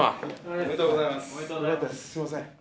おめでとうございます。